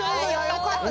よかった。